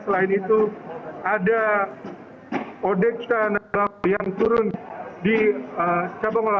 selain itu ada odekta nagelang yang turun di cabang olahraga